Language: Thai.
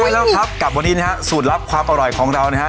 แล้วครับกับวันนี้นะฮะสูตรลับความอร่อยของเรานะฮะ